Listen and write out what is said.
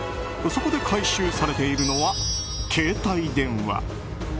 そこで回収されているのは携帯電話。